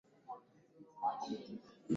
aa licha ya kwamba alikuwa na vimbwanga vyake